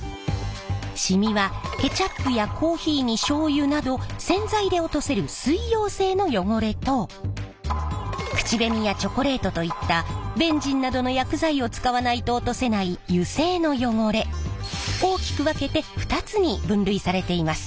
しみはケチャップやコーヒーにしょうゆなど洗剤で落とせる水溶性の汚れと口紅やチョコレートといったベンジンなどの薬剤を使わないと落とせない油性の汚れ大きく分けて２つに分類されています。